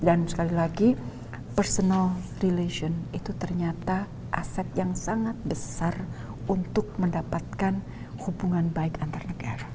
dan sekali lagi personal relation itu ternyata aset yang sangat besar untuk mendapatkan hubungan baik antar negara